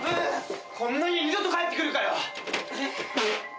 こんな家二度と帰ってくるかよ！